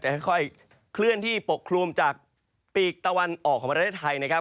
ค่อยเคลื่อนที่ปกคลุมจากปีกตะวันออกของประเทศไทยนะครับ